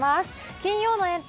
金曜のエンタ！